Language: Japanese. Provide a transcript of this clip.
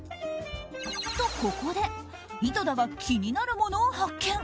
と、ここで井戸田が気になるものを発見。